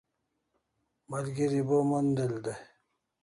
Malgeri bo mon del dai